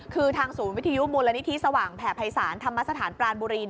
คือทางศูนย์วิทยุมูลนิธิสว่างแผ่ภัยศาลธรรมสถานปรานบุรี